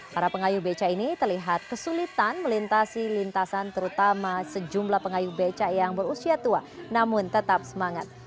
para pengayuh beca ini terlihat kesulitan melintasi lintasan terutama sejumlah pengayuh becak yang berusia tua namun tetap semangat